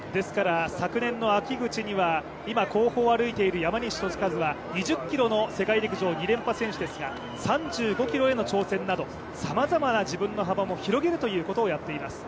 昨年の秋口には今、後方を歩いている山西利和は２０ｋｍの世界陸上２連覇選手ですが３５ｋｍへの挑戦など、さまざまな自分の幅を広げるということもやっています。